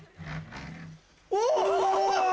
お！